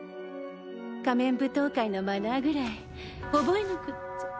仮面舞踏会のマナーぐらい覚えなくちゃ。